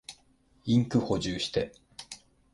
インク補充して。